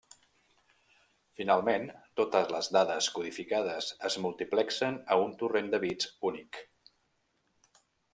Finalment totes les dades codificades es multiplexen a un torrent de bits únic.